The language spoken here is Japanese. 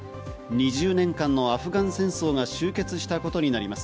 ２０年間のアフガン戦争が終結したことになります。